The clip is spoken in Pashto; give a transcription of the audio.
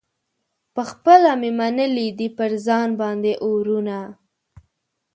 پخپله مي منلي دي پر ځان باندي اورونه